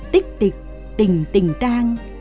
tích tịch tình tình tang